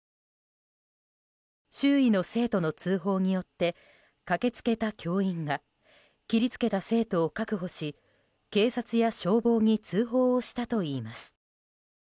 周囲の生徒の通報によって駆け付けた教員が切り付けた生徒を確保し警察や消防に通報をしたといいます。